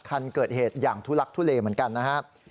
คันเกิดเหตุอย่างทุลักทุเลเหมือนกันนะครับ